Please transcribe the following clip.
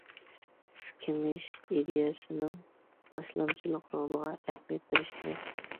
كېڭىشىش ئىدىيەسىنىڭ باشلامچىلىق رولىغا ئەھمىيەت بېرىش كېرەك.